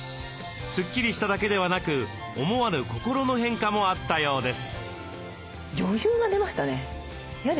スッキリしただけではなく思わぬ心の変化もあったようです。